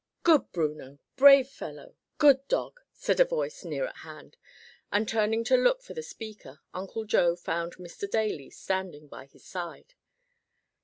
"Good Bruno! brave fellow! good dog!" said a voice near at hand, and turning to look for the speaker, Uncle Joe found Mr. Daly standing by his side.